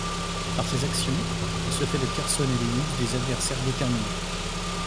Par ses actions, il se fait de Carson et de Hughes des adversaires déterminés.